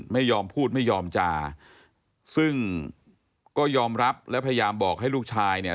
ไม่ยอมพูดไม่ยอมจาซึ่งก็ยอมรับและพยายามบอกให้ลูกชายเนี่ย